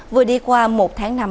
vừa đi qua một tháng năm năm